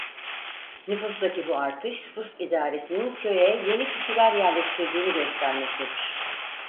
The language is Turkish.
Nüfustaki bu artış Rus idaresinin köye yeni kişiler yerleştirdiğini göstermektedir.